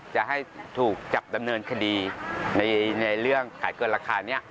จะให้ถูกจับดำเนินคดีในเรื่องขายเกินราคานี้